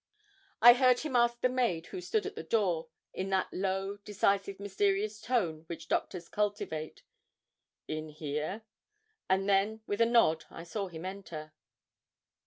I heard him ask the maid who stood at the door, in that low, decisive, mysterious tone which doctors cultivate 'In here?' And then, with a nod, I saw him enter.